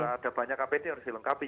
ada banyak apd yang harus dilengkapi